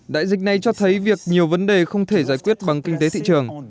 đại dịch này cho thấy việc nhiều vấn đề không thể giải quyết bằng kinh tế thị trường